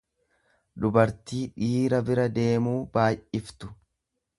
Dubartii dhiira bira deemuu baay'iftu.